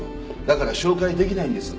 だから紹介出来ないんです。